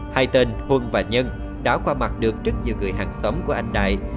hai tên hưng và nhân đã qua mặt được trước nhiều người hàng xóm của anh đại